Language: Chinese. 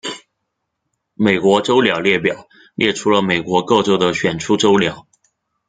美国州鸟列表列出了美国各州的选出州鸟。